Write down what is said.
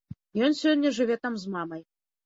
Ён сёння жыве там з мамай.